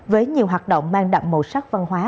với nhiều hoạt động mang đậm màu sắc văn hóa